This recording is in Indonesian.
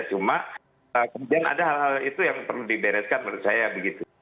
cuma kemudian ada hal hal itu yang perlu dibereskan menurut saya begitu